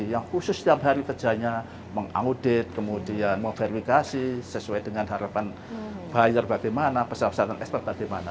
yang khusus setiap hari kerjanya mengaudit kemudian mau verifikasi sesuai dengan harapan buyer bagaimana persyaratan ekspor bagaimana